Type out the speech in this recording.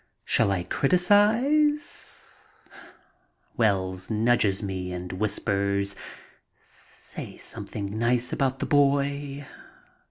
Shall I criticize ? Wells nudges me and whispers, "Say something nice about the boy."